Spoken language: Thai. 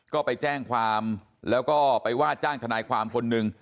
ก็ไปแจ้งความแล้วก็ไปว่าจ้างทนายความคนหนึ่ง